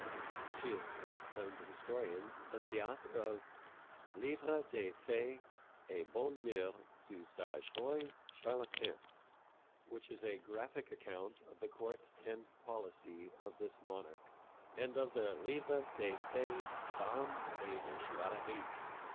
She is best known to historians as the author of Livre des Fais et Bonnes Meurs du sage Roy Charles V, which is a graphic account of the court and policy of this monarch, and of the Livre des Faits d'Armes et de Chevalerie.